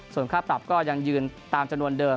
ส่วนค่าปรับก็ยังยืนตามจำนวนเดิม